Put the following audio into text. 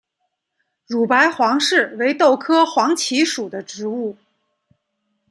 乳白黄耆为豆科黄芪属的植物。